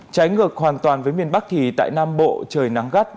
trái ngược hoàn toàn với miền bắc thì tại nam bộ trời nắng gắt